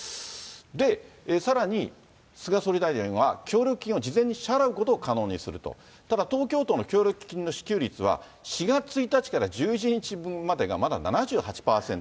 で、さらに、菅総理大臣は協力金を事前に支払うことを可能にすると、ただ、東京都の協力金の支給率は、４月１日から１１日分までがまだ７８％。